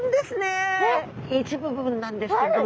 一部分なんですけれども。